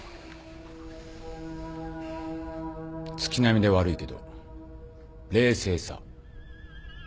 月並みで悪いけど冷静さ。